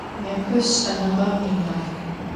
Nêpe Ş'enığem yi Maf.